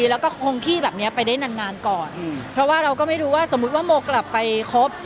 แล้วก็คงที่แบบเนี้ยไปได้นานนานก่อนอืมเพราะว่าเราก็ไม่รู้ว่าสมมุติว่าโมกลับไปครบ